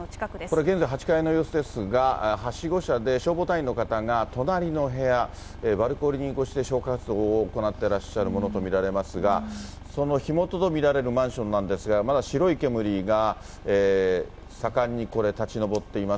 これ、現在、８階の様子ですが、はしご車で消防隊員の方が隣の部屋、バルコニー越しで消火活動を行ってらっしゃるものと見られますが、その火元と見られるマンションなんですが、まだ白い煙が盛んにこれ、立ち上っています。